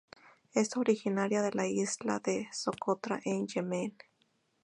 Es originaria de la isla de Socotra en Yemen.